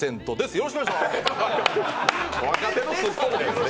よろしくお願いします！